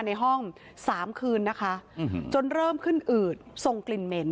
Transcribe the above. ในห้อง๓คืนนะคะจนเริ่มขึ้นอืดส่งกลิ่นเหม็น